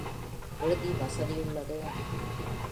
விடுதி வசதி உள்ளது.